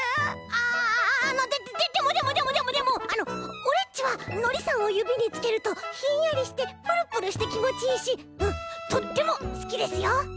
あああのでもでもでもでもでもオレっちはのりさんをゆびにつけるとひんやりしてプルプルしてきもちいいしとってもすきですよ！